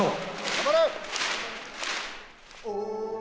頑張れ！